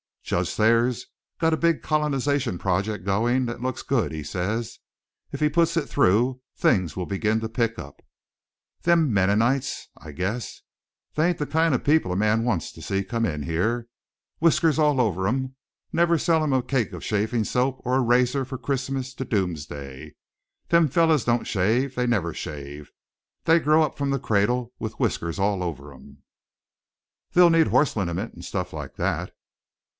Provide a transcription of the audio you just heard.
"Judge Thayer's got a big colonization project going that looks good, he says. If he puts it through things will begin to pick up." "Them Mennonites, I guess. They ain't the kind of people a man wants to see come in here whiskers all over 'em, never sell 'em a cake of shavin' soap or a razor from Christmas to doomsday. Them fellers don't shave, they never shave; they grow up from the cradle with whiskers all over 'em." "They'll need horse liniment, and stuff like that."